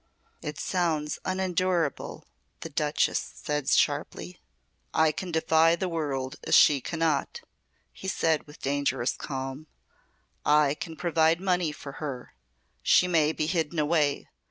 "It sounds unendurable," the Duchess said sharply. "I can defy the world as she cannot," he said with dangerous calm. "I can provide money for her. She may be hidden away.